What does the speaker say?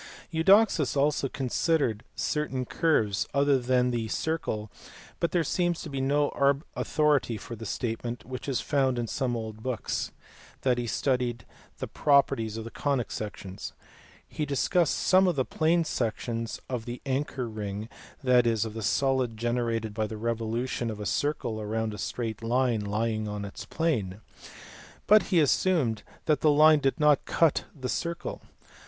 Eudoxus also considered certain curves other than the circle, but there seems to be no authority for the statement, which is found in some old books, that he studied the properties of the conic sections. He discussed some of the plane sections of the anchor ring, that is, of the solid gene rated by the revolution of a circle round a straight line lying in its plane ; but he assumed that the line did not cut the circle.